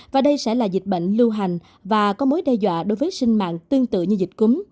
và đây sẽ là dịch bệnh lưu hành và có mối đe dọa đối với sinh mạng tương tự như dịch cúm